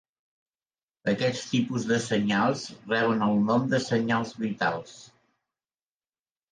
Aquest tipus de senyals reben el nom de senyals vitals.